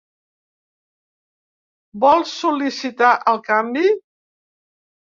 Vol sol·licitar el canvi?